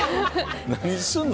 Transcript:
何すんの？